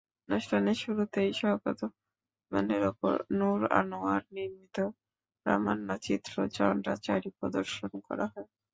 অনুষ্ঠানের শুরুতেই শওকত ওসমানের ওপর নূর আনোয়ার নির্মিত প্রামাণ্যচিত্র তন্দ্রাচারী প্রদর্শন করা হয়।